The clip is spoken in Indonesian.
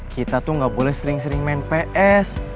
kita tuh gak boleh sering sering main ps